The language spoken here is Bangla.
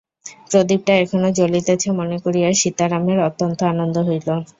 প্রদীপটা এখনাে জ্বলিতেছে মনে করিয়া সীতারামের অত্যন্ত আনন্দ হইল।